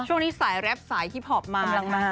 ช่วงนี้สายแร็พสายคีพอปมา